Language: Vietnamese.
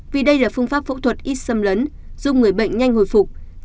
vì đây là phương pháp phẫu thuật ít xâm lấn giúp người bệnh nhanh hồi phục